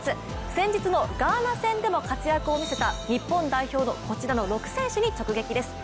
先日のガーナ戦でも活躍を見せた日本代表のこちらの６選手に直撃です。